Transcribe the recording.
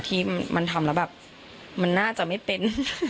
ที่มันทำแล้วแบบมันน่าจะไม่เป็น